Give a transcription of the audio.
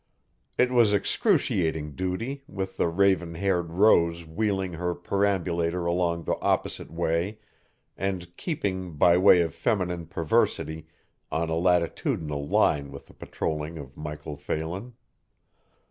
It was excruciating duty, with the raven haired Rose wheeling her perambulator along the opposite way and keeping, by way of feminine perversity, on a latitudinal line with the patrolling of Michael Phelan.